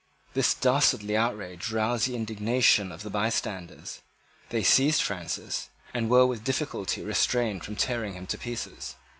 This dastardly outrage roused the indignation of the bystanders. They seized Francis, and were with difficulty restrained from tearing him to pieces.